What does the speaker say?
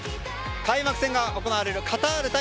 開幕戦が行われるカタール対